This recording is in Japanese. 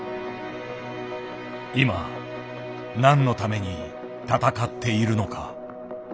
今何のために闘っているのか。